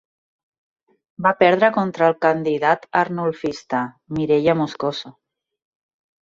Va perdre contra el candidat Arnulfista, Mireya Moscoso.